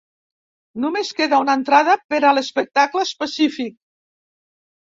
Només queda una entrada per a l'espectacle específic.